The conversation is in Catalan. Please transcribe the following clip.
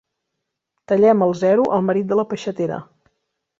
Tallem al zero el marit de la peixatera.